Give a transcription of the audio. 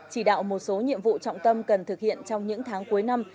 chỉ đạo một số nhiệm vụ trọng tâm cần thực hiện trong những tháng cuối năm